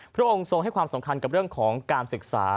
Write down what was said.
พระองค์ทรงให้ความสำคัญกับเรื่องของการศึกษา